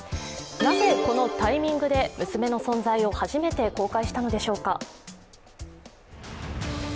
なぜこのタイミングで娘の存在を初めて公開したのでしょうか？